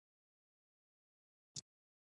ډاکټر طارق همدې امله کابل ته ورته راغی.